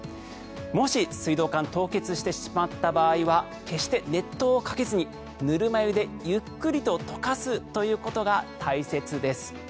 もし、水道管凍結してしまった場合は決して熱湯をかけずにぬるま湯でゆっくりと溶かすということが大切です。